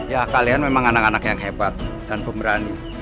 ya kalian memang anak anak yang hebat dan pemberani